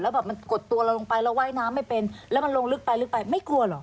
แบบมันกดตัวเราลงไปแล้วว่ายน้ำไม่เป็นแล้วมันลงลึกไปลึกไปไม่กลัวเหรอ